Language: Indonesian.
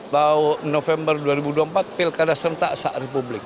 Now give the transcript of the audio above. bahwa november dua ribu dua puluh empat pilkada serentak saat republik